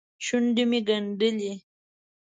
شونډې مې ګنډلې.